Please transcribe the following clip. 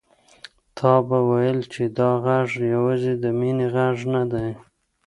تا به ويل چې دا غږ يوازې د مينې غږ نه دی.